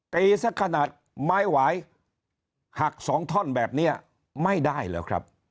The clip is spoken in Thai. สักขนาดไม้หวายหักสองท่อนแบบนี้ไม่ได้เหรอครับ